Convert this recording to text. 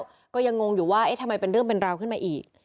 ก็ยังงงอยู่ว่าเอ๊ะทำไมเป็นเรื่องเป็นราวขึ้นมาอีก